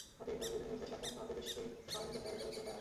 অতএব ঐগুলি হইতে সাবধান হও, তেজস্বী হও, নিজের পায়ের উপর দঁড়াও।